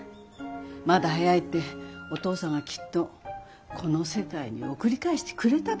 まだ早いってお父さんがきっとこの世界に送り返してくれただよ。